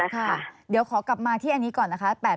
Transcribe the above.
ค่ะเดี๋ยวขอกลับมาที่อันนี้ก่อนนะคะ